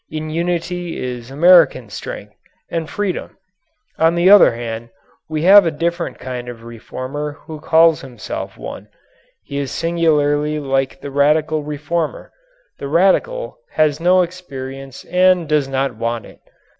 In unity is American strength and freedom. On the other hand, we have a different kind of reformer who never calls himself one. He is singularly like the radical reformer. The radical has had no experience and does not want it.